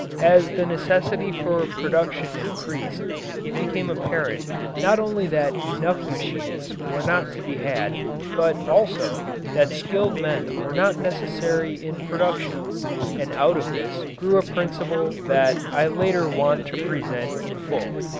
As the necessity for production increased it became apparent not only that enough machinists were not to be had, but also that skilled men were not necessary in production, and out of this grew a principle that I later want to present in full.